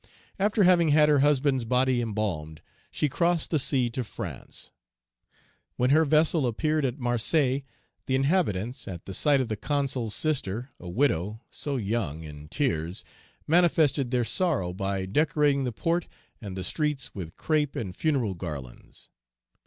After having had her husband's body embalmed, she crossed the sea to France. When her vessel appeared at Marseilles, the inhabitants, at the sight of the Consul's sister, a widow, so young, in tears, manifested their sorrow by decorating the port and the streets with crape and funereal garlands.